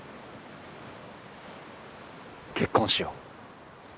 結婚しよう。